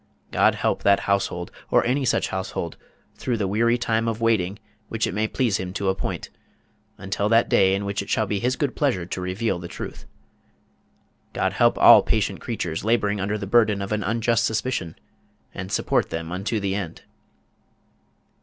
God help that household, or any such household, through the weary time of waiting which it may please Him to appoint, until that day in which it shall be His good pleasure to reveal the truth! God help all patient creatures laboring under the burden of an unjust suspicion, and support them unto the end!